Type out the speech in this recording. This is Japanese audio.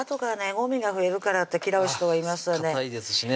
ゴミが増えるからって嫌う人がいますよね